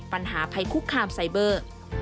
ปัญหาภัยคุกคามไซเบอร์